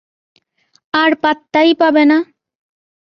আর পাত্তাই পাবে না।